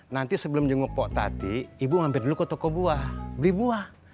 nanti sebelum jenguk poktati ibu ngambil dulu ke toko buah beli buah